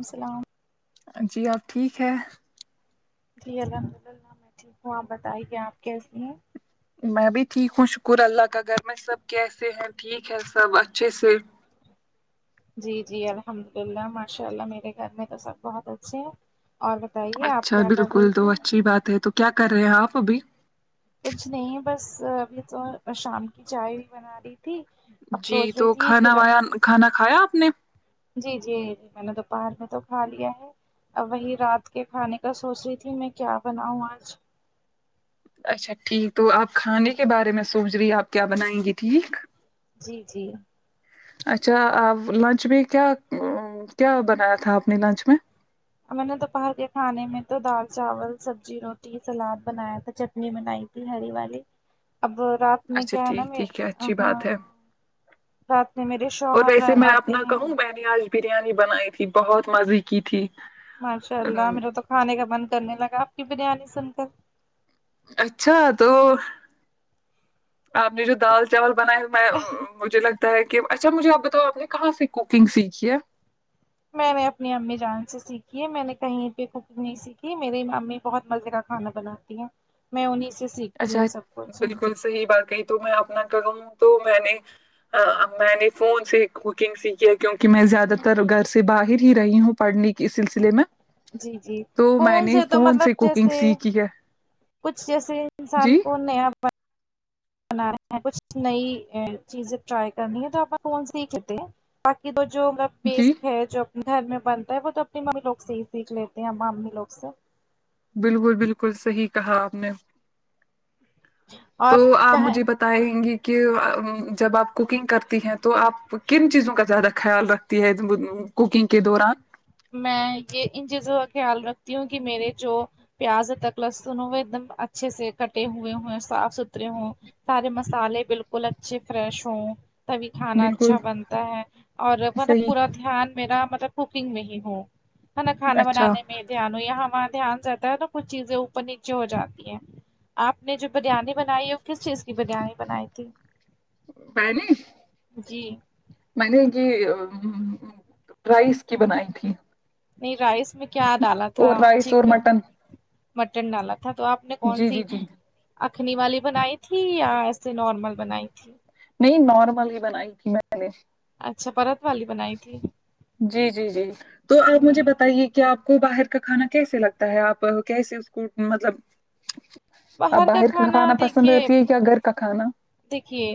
السلام جی آپ ٹھیک ہے جی الحمد للہ میں ٹھیک ہوں آپ بتائیے آپ کیسی ہیں میں بھی ٹھیک ہوں شکور اللہ کا گھر میں سب کیسے ہیں ٹھیک ہے سب اچھے سے جی جی الحمد اللہ ماشاء اللہ میرے گھر میں تو سب بہت اچھے ہیں اور بتائیے آپ اچھا کیا کر بالکل رہی تو تھی اچھی بات ہے تو کیا کر رہے ہیں آپ ابھی کچھ نہیں بس ابھی تو شام کی چائے بنا رہی تھی اب جی سوچ تو رہی تھی کہ کھانا وایا کھانا کھایا آپ نے جی جی جی میں نے دوپہر میں تو کھا لیا ہے آب وہی رات کے کھانے کا سونچ رہی تھی میں کیا بناؤں آج اچھا ٹھیک تو آپ کھانے کے بارے میں سونچ رہی آپ کیا بنائیں گی ٹھیک جی جی اچھا اب لنچ میں کیا کیا بنایا تھا آپ نے لنچ میں میں نے دوپہر کے کھانے میں تو دال چاول سبزی روٹی سلاد بنایا تھا چ نی منائی تھی ہری والی اب رات میں اچھا کیا ہے نا ٹھیک میں ٹھیک ہے اچھی ہاں بات ہے رات میں میرے اور شوہر ویسے میں آتے اپنا ہیں کہوں میں نے آج بریانی بنائی تھی بہت مزے کی تھی ماشاء اللہ میرے تو کھانے کا من کرنے لگا آپ کی بریانی سن کر اچھا تو آپ نے جو دال چاول بنائے میں مجھے لگ ت ہے کہ اچھا مجھے آپ بتاؤ آپ نے کہاں سے کوکنگ سیکھی ہے میں نے اپنی امی جان سے سیکھی ہے میں نے کہیں پے کوکنگ نہیں سیکھی میرے امی بہت مزے کھانا بناتی ہیں میں ان ہی سے سیکھ اچھا بالکل صحیح بات کہی تو میں اپنا کروں تو میں نے میں نے فون سے کوکنگ سیکھی ہے کیوںکہ میں زیادہ تر گھر سے باہر ہی رہی ہوں پڑھنے کے سلسلے میں جی جی تو میں فون نے تو فون سے مطلب کوکنگ جیسے سیکھی ہے کچھ جیسے انسان جی کو نیا بنا رہے ہیں کچھ نئی چیز ٹرائی کرنی ہے تو کون سی کہتے ہیں باقی تو جو میں جی بیسک ہے جو اپنے گھر میں بنتا ہے وہ تو اپنی ممی لوگ سے ہی سیکھ لیتے ہیں امی لوگ سے بالکل بالکل صحیح کہا آپ نے۔ تو آپ اور مجھے بتا بتائیں گی کہ جب آپ کوکنگ کرتی ہیں تو آپ کن چیزوں کا زیادہ خیال رکھ تی ہے کوکنگ کے دوران میں یہ ان چیزوں کا خیال رکھتی ہوں کہ میرے جو پیاز تک لہسن ہوئے ایک دم اچھے سے کٹے ہوئے ہو صاف ستھرے ہوں سارے مسالے بالکل اچھے فریش ہوں تبھی کھانا بالکل اچھا بنتا ہے اور مطلب پورا صحیح دھیان میرا مطلب کوکنگ میں ہی ہو ورنہ کھانا اچھا بنانے میں دھیان ہوں یا ہمارا دھیان رہتا ہے نا کچھ چیزیں اوپر نیچے ہو جاتی ہیں آپ نے جو بریانی بنائی ہے وہ کس چیز کی بریانی بنائی تھی میں نے جی میں نے یہ رائس کی بنائی تھی نہیں رائس میں کیا ڈالا تھا اور رائس اور چکن مٹن مٹن ڈالا تھا تو آپ نے کون جی جی سی جی اخنی والی بنائی تھی یا ایسے نارمل بنائی تھی نہیں نارمل ہی بنائی تھی میں نے اچھا پرت والی بنائی تھی جی جی جی تو آپ ہ مجھے بتائیے کہ آپ کو باہر کا کھانا کیسے لگتا ہے آپ کیسے اس کو مطلب اپ باہر کا کھانا پسند کرتی ہے کیا گھر کا کھانا دیکھیے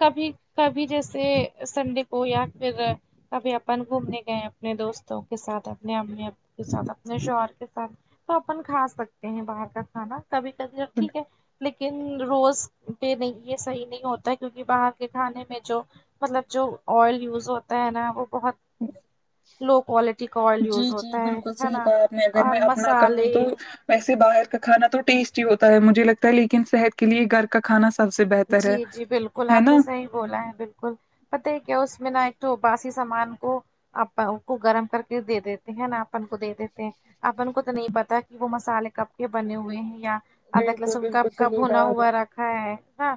کبھی کبھی جیسے سنڈے کو یا پھر کبھی اپن گھومنے گئے اپنے دوستوں کے ساتھ اپنے امی ابو کے ساتھ اپنے شوہر کے ساتھ تو اپن کھا سکتے ہیں باہر کا کھانا کبھی کبھی [unintelligible] ب ٹھیک ہے لیکن روز پہ نہیں یہ صحیح نہیں ہوتا کیونکہ باہر کے کھانے میں جو مطلب جو آئل یوز ہوتا ہے نا وہ بہت لو کوالٹی کا آئل جی یوز جی ہوتا ہے بالکل ہے صحیح نا کہا آپ نے اگر اور میں اپنا کہوں مسالے تو ویسے باہر کا کھانا تو ٹیسٹی ہوتا ہے مجھے لگتا ہے لیکن صحت کے لیے گھر کا کھانا سب سے بہتر ہے جی جی بالکل ہے آپ نا نے صحیح بولا ہے بالکل پتہ ہے کیا اس میں نہ ایک تو باسی سامان کو اپن کو گرم کر کے دے دیتے ہیں نا اپن کو دے دیتے ہیں اپن کو تو نہیں پتا کہ وہ مسالے کب کے بنے ہوئے ہیں یا ادرک بالکل لہسن بالکل کپ کا صحیح بھونا کہا آپ نے ہوا رکھا ہے ہا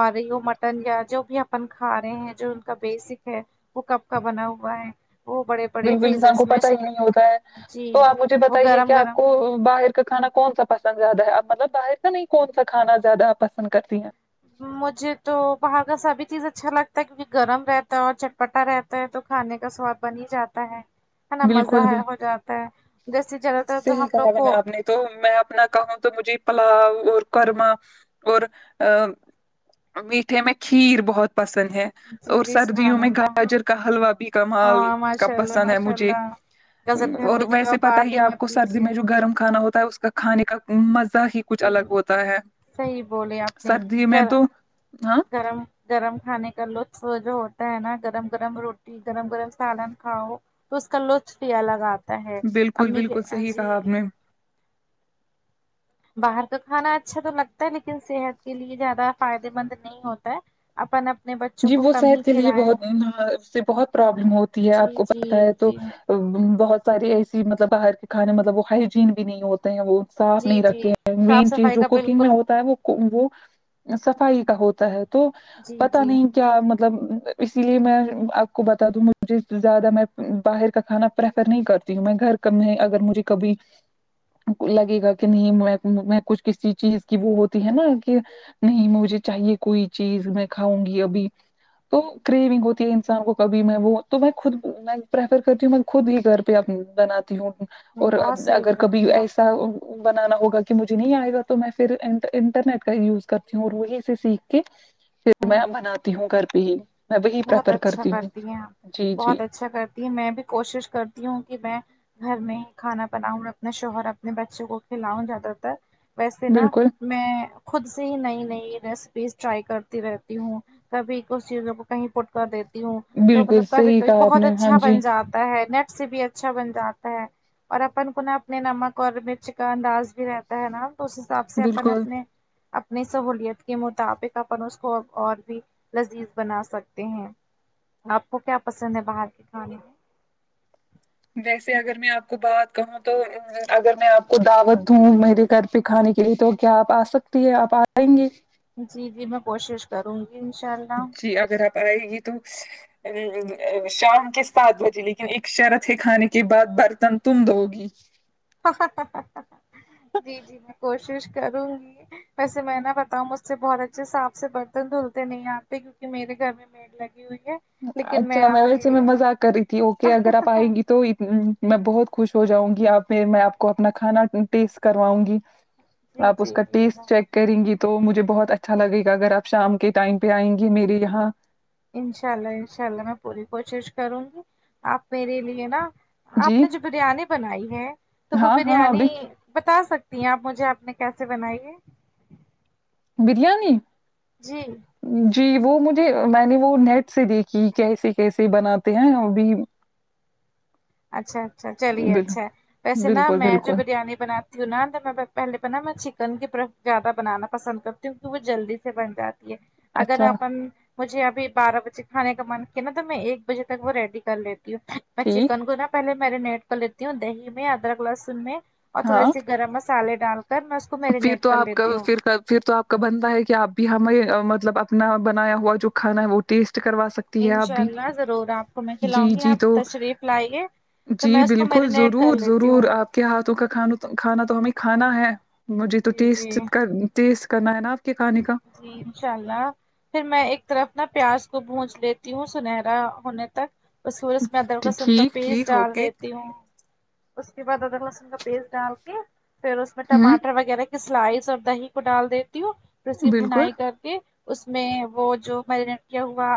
اور یو مٹن یا جو بھی اپن کھا رہے ہیں جو ان کا بیسک ہے وہ کب کا بنا ہوا ہے وہ بڑے بڑے بالکل انسان کو فریزرس میں پتا ہی نہیں ہوتا ہے جی تو آپ مجھے وہ بتائیے کہ گرم آپ گرم کو باہر کا کھانا کون سا پسند زیادہ ہے اب مطلب باہر کا نہیں کون سا کھانا زیادہ آپ پسند کرتی ہیں مجھے تو باہر کا سبھی چیز اچھا لگتا ہے کیونکہ گرم رہتا ہے اور چٹ پٹا رہتا ہے تو کھانے کا سواد بن ہی جاتا ہے ہے نا مزہ بالکل ہے بالکل ہو جاتا ہے جیسے زیادہ تر تو صحیح ہم لوگ کہا میں کو نے آپ نے تو میں اپنا کہوں تو مجھے پلاؤ اور قورمہ اور ا میٹھے میں کھیر بہت پسند ہے جی اور جی سردیوں سبحان میں اللہ گاجر کا حلوہ بھی کمال ہاں کا ماشاء اللہ پسند ہے ماشاء مج جھے اللہ گزر کے اور حلوے کی تو ویسے آپ پتہ بات ہی آپ مت کو سردی کیجیے میں جو گرم کھانا ہوتا ہے اس کا کھانے کا مزہ ہی کچھ الگ ہوتا ہے صحیح بولے آپ نے سردی میں گھر تو ہاں گرم گرم کھانے کا لطف جو ہوتا ہے نا گرم گرم روٹی گرم گرم سالن کھاؤ تو اس کا لطف بھی الگ آتا ہے بالکل امی کے بالکل صحیح جی کہا آپ نے باہر کا کھانا اچھا تو لگتا ہے لیکن صحت کے لیے زیادہ فائدے مند نہیں ہوتا ہے اپن اپنے ب جی وہ صحت کے لیے بہت اس سے بہت پرابلم ہوتی ہے آپ جی کو جی پتا ہے تو جی بہت سارے ایسی مطلب باہر کے کھانے مطلب وہ ہائجین بھی نہیں ہوتے ہیں وہ صاف جی نہیں جی رکھتے ہیں صاف مین چیز صفائی جو کا کوکنگ میں بالکل ہوتا ہے وہ وہ صفائی کا ہوتا ہے تو جی پتا جی نہیں کیا مطلب اسی لیے میں آپ کو بتا دوں مجھے زیادہ میں باہر کا کھانا پریفر نہیں کرتی ہوں میں گھر میں اگر مجھے کبھی لگے گا کہ نہیں میں میں کچھ کسی چیز کی وہ ہوتی ہے نا کہ نہیں مجھے چاہیے کوئی چیز میں کھاؤں گی ابھی تو کریونگ ہوتی ہے انسان کو کبھی میں وہ تو میں خود میں پریفر کرتی ہوں خود ہی گھر پہ بناتی ہوں نہیں اور بہت صحیح اگر کبھی بولتی ہیں آپ ایسا بنانا ہوگا کہ مجھے نہیں آئے گا تو میں پھر انٹرنیٹ کا یوز کرتی ہوں اور وہی سے سیکھ کے پھر ہ میں بناتی ہوں گھر پہ ہی میں وہی بہت پریفر اچھا کرتی ہوں جی جی یہ میں بھی کوشش کرتی ہوں کہ میں گھر میں کھانا بناؤں اپنے شوہر اپنے بچوں کو کھلاؤں زیادہ تر ویسے نا بالکل میں خود سے ہی نئی نئی ریسپیز ٹرائی کرتی رہتی ہوں کبھی کچھ چیزوں کو کہیں پٹ کر دیتی ہوں تو بالکل مطلب کبھی صحیح کبھی کہا آپ بہت نے ہاں اچھا بن جی جاتا ہے نیٹ سے بھی اچھا بن جاتا ہے اور اپن کو نہ اپنے نمک اور مرچ کا انداز بھی رہتا ہی نا تو اس تو اب سے اپن بالکل اپنے اپ نی سہلیت کے مطابق اپن اس کو اور بھی لذیذ بنا سک تے ہیں آپ کو کیا پسند ہے باہر کے کھانے ویسے اگر میں آپ کو بات کہوں تو اگر میں آپ کو دعوت دوں میرے گھر پہ کھانے کے لیے تو کیا آپ آ سکتی ہے آپ آئیں گے جی جی میں کوشش کروں گی انشاء اللہ جی اگر آپ پر آئے گی تو ا شام کے سات بجے لیکن ایک شرط ہے کھانے کے بعد برتن تم دھو گی جی جی میں کوشش کروں گی ویسے میں نہ بتاؤں مجھ سے بہت اچھے صاف سے برتن دھلتے نہیں آتے کیونکے میرے گھر میں نیٹ لگی ہو ئی ہے لیکن اچھا میں آپ کے ویسے میں لیے مذاق کر رہی تھی اوکے اگر آپ آئیں گی تو ایک دن میں بہت خوش ہو جاؤں گی آپ میں میں آپ کو اپنا کھانا ٹیسٹ کرواؤں گی جی آپ اس جی کا جی ٹیسٹ چیک کریں گی تو مجھے بہت اچھا لگے گا اگر آپ شام کے ٹائم پہ آئیں گے میرے یہاں انشاء اللہ انشاء اللہ میں پوری کوشش کروں گی آپ میرے لیے نا آپ جی نے جو بریانی بنائی ہے تو وہ ہاں ہاں بریانی ابھی بتا سک تی آپ مجھے آپ نے کیسے بنائی ہے بریانی جی جی وہ مجھے میں نے وہ نیٹ سے دیکھی کیسے کیسے بناتے ہیں ابھی اچھا اچھا چلیے بل- اچھا ہے ویسے نا بالکل میں جو بالکل بریانی بنا کیوں نہ پہلے بنا میں چکن کی پرف زیادہ بنانا پسند کرتی ہوں کہ وہ جلدی سے بن جاتی ہے اگر اچھا اپن مجھے ابھی بارہ بجے کھانے کا من کیا نا تو میں ایک بجے تک وہ ریڈی کر لیتی ہوں میں چک ٹھیک ن کو نہ پہلے میرینیٹ کر لیتی ہوں دہی میں ادرک لہسن میں اور تھوڑے ہاں سے گرم مسا مسالے ڈال کر میں اسے پھر تو آپ کل پھر کل پھر تو آپ کا بنتا ہے کہ آپ بھی ہمیں مطلب اپنا بنایا ہوا جو کھانا ہے وہ ٹیسٹ کروا سکے انشاء اللہ ضرور آپ کو میں کھلاؤں گی جی آپ تو تشریف لائیے تو جی میں اس کو بلکل میرینیٹ کر ضرور لیتی ضرور ہوں آپ کے ہاتھوں کا کھانا کھانا تو ہمیں کھانا ہے مجھے تو جی ٹیسٹ جی کر ٹیسٹ کرنا ہے نا آپ کے کھانے کا جی انشاء اللہ پھر میں ایک طرف نا پیاس کو بونھچ لیتی ہوں سنہرا ہونے تک اور ٹھوڑا سا میں ادرک لہسن کا ٹھیک پیس ٹھیک ڈال اوکے دیتی ہوں اس کے بعد ادرک لہسن کا پیسٹ ڈال کے پھر اس میں ہوں ٹماٹر وغیرہ سلائس اور دہی کو ڈال دیتی ہوں پھر اس کی بالکل بھونائی کر کے اس میں وہ جو میرینیٹ کیا ہوا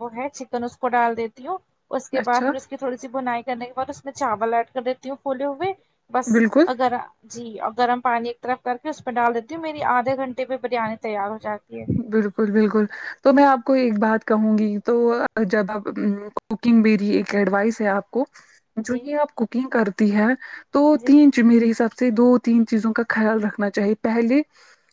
وہ ہے چکن اس کو ڈال دی تی ہوں اس کے بعد اچھا پھر اس کی تھوڑی سی بھونائی کرنے کے بعد اس میں چاول ایڈ کر دیتی ہوں پھولے ہوئے بس بالکل اگر جی اور گرم پانی ایک طرف کر کے اس میں ڈال دیتی ہوں میری آدھے گھنٹے پہ بریانی تیار ہو جاتی ہے بالکل بالکل تو میں آپ کو ایک بات کہوں گی تو جب آپ کوکنگ میری ایک ایڈوائس ہے آپ کو جو جی یہ آپ کوکنگ کرتی ہے تو تین جی میرے حساب سے دو تین چیزوں کا خیال رکھنا چاہیے پہلے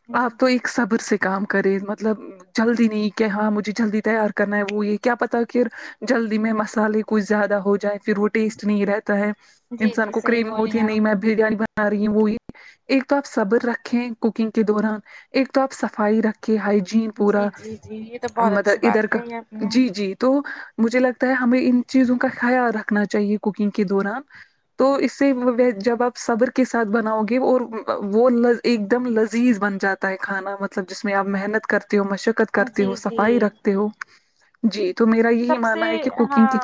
جی آپ تو صبر سے کام کرے مطلب جلدی نہیں کہ ہاں مجھے جلدی تیار کرنا ہے وہ یہ کیا پتہ کہ جلدی میں مسالے کچھ زیادہ ہو جائے پھر وہ ٹیسٹ نہیں رہتا ہے جی انسان جی کو صحیح کریمی بولی ہوتی ہے میری آپ ماں بریانی بنا رہی ہے وہ یہ ایک تو آپ صبر رکھیں کوکنگ کے دوران ایک تو آپ صفائی رکھ کہ ہایجین پورا جی جی جی یہ تو بہت اچھی مطلب ادھر بات کا کہی آپ نے جی جی تو مجھے لگتا ہے ہمیں ان چیزوں کا خیال رکھنا چاہیے کوکنگ کے دوران تو اس سے مطلب جب آپ صبر کے ساتھ بناؤ گے اور وہ لز ایک دم لذیذ بن جاتا ہے کھانا مطلب جس میں آپ محنت کرتے ہو مشقت کرتے ہو جی جی صفائی رکھتے ہو جی تو میرا یہی سب سے ماننا ہے کہ ہاں کوکنگ کی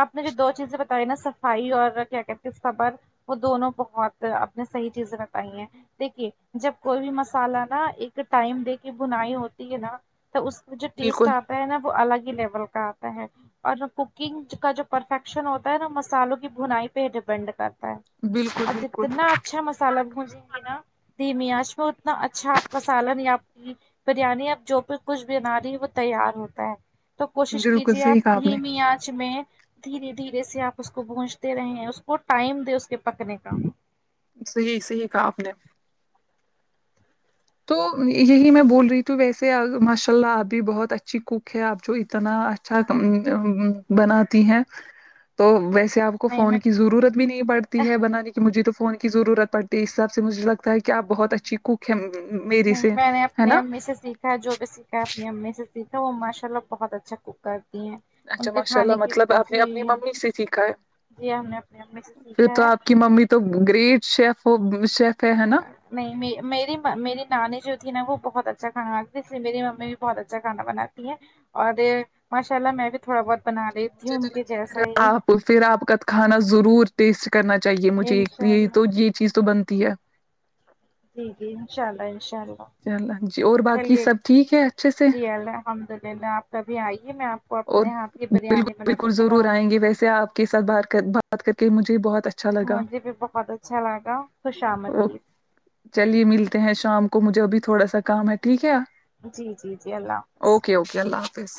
آپ نے جو دو چیزیں بتائی نا صفائی اور کیا کہتے ہیں صبر وہ دونوں بہت اپ نے صحیح چیزیں بتائی ہیں دیکھیے جب کوئی بھی مسالہ نا ایک ٹائم دے کے بھونائی ہو تی ہے نا تو اس میں جو ٹیسٹ بالکل آتا ہے نا وہ الگ ہی لیول کا آتا ہے اور کوکنگ کا جو پرفیکشن ہوتا ہے نا مسالوں کی بھونائی پہ ہی ڈیپینڈ کرتا ہے بالکل اور بالکل جتنا اچھا مسالہ بھونجے نا دھیمی انچ میں اتنا اچھا آپ کا سالن یا آپ کی بریانی اب جو بھی کچھ بنا رہی ہے وہ تیار ہوتا ہے تو کوشش بالکل کیجیے آپ صحیح کہا نے دھیمی آنچ میں دھیرے دھیرے سے آپ اس کو پونچتے رہے ہیں اس کو ٹائم دے اس کے پکنے کا صحیح صحیح کہاں آپ نے تو یہی میں بول رہی تھی ویسے ماشاء اللہ آپ بھی بہت اچھی کوک ہے آپ جو اتنا اچھا بناتی ہیں تو ویسے آپ کو نہیں فون میں کی ضرورت نہیں پڑتی ہے بنانے کی مجھے تو فون کی ضرورت پڑتی ہے اس حساب سے مجھے لگتا ہے کہ آپ بہت اچھی کوک ہے میری نہیں سے میں نے ہے اپنے نا امی سیکھ ا جو بھی سیکھا ہے اپنی امی سے سیکھا وہ ماشاء اللہ بہت اچھا کوک کرتی ہیں ان اچھا کے ماشاء کھانے اللہ کی مطلب آپ نے جی اپنی ممی سے سیکھا ہے جی ہم نے اپنی امی سے سیکھا ہے کہ ممی تو گریٹ شیف ہو شیف ہے ہے نا نہیں میری میری نانی جو تھی نا وہ بہت اچھا کھانا [unintelligible] اس لیے میری ممی بہت اچھا کھانا بناتی ہیں اور ماشاء اللہ میں بھی تھوڑا بہت بنا لیتی ہوں مجھے ان تو کے لگتا ہے جیسا ہی آپ پھر آپ کا کھانا ضرور ٹیسٹ کرنا چاہیے مجھے انشاء یہی اللہ تو یہ چیز تو بنتی ہے جی انشاء اللہ انشاء اللہ انشاءاللہ۔ جی اور باقی چلیے سب ٹھیک ہے اچھے سے جی الحمد للہ آپ کبھی آئیے میں آپ کو اور اپنے ہاتھ کی بالکل بریانی بنا کر بالکل ضرور کھلاؤں گی آئیں گے ویسے آپ کے سات بات کر بات کر کے مجھے بہت اچھ مجھے بھی بہت اچھا لگا اوکے۔ خوشامدید چلیے ملتے ہیں شام کو مجھے ابھی تھوڑا سا کام ہے ٹھیک ہے جی جی جی اللہ حافظ اوکے اوکے اللہ حافظ